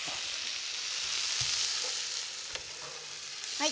はい。